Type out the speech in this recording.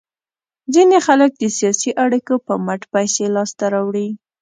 ځینې خلک د سیاسي اړیکو په مټ پیسې لاس ته راوړي.